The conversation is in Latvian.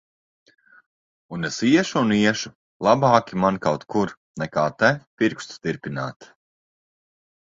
Un es iešu un iešu! Labāki man kaut kur, nekā te, pirkstus tirpināt.